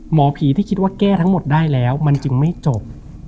หมอผีที่คิดว่าแก้ทั้งหมดได้แล้วมันจึงไม่จบ